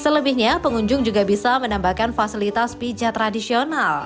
selebihnya pengunjung juga bisa menambahkan fasilitas pijat tradisional